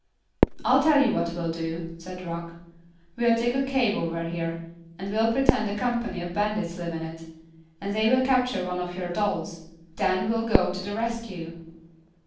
"I'll tell you what we'll do," said Rock. "We'll dig a cave over here, and we'll pretend a company of bandits live in it, and they will capture one of your dolls. Then we will go to the rescue."